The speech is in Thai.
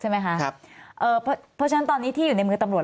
เพราะฉะนั้นตอนนี้ที่อยู่ในมือตำรวจ